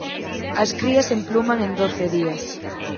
As crías empluman en doce días.